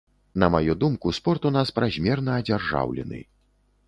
На маю думку, спорт у нас празмерна адзяржаўлены.